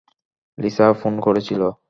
Lisa phone করেছিল।